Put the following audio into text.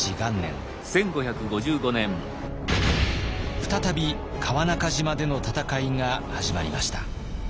再び川中島での戦いが始まりました。